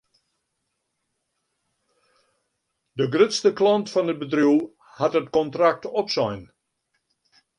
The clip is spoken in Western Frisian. De grutste klant fan it bedriuw hat it kontrakt opsein.